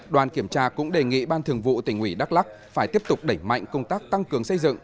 đoàn kiểm tra cũng đề nghị ban thường vụ tỉnh ủy đắk lắc phải tiếp tục đẩy mạnh công tác tăng cường xây dựng